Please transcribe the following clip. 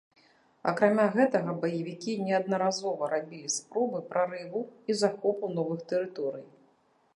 Акрамя гэтага, баевікі неаднаразова рабілі спробы прарыву і захопу новых тэрыторый.